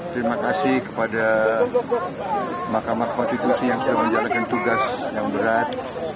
terima kasih kepada mahkamah konstitusi yang sudah menjalankan tugas yang berat